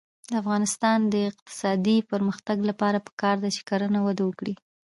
د افغانستان د اقتصادي پرمختګ لپاره پکار ده چې کرنه وده وکړي.